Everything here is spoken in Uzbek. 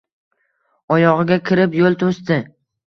Oyog‘iga kirib yo‘l to‘sdi.